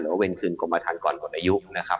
หรือว่าเว็นคืนกรมประทานก่อนกดอายุนะครับ